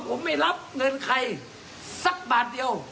ผมไม่รับเงินใครสักบาทเดียว